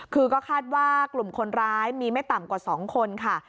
คือก็คาดว่ากลุ่มคนร้ายมีไม่ต่ำกว่า๒คนค่ะ